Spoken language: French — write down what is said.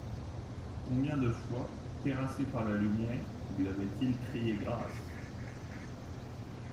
Combien de fois, terrassé par la lumière, lui avait-il crié grâce!